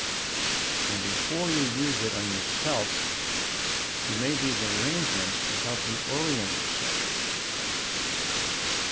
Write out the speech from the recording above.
And before you used it on yourself, you made these arrangements to help you orient yourself.